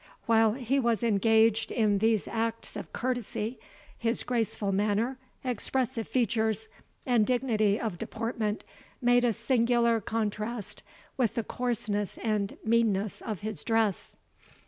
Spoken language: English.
While he was engaged in these acts of courtesy, his graceful manner, expressive features, and dignity of deportment, made a singular contrast with the coarseness and meanness of his dress.